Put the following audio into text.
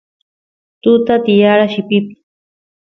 tuta tiyara llipipiy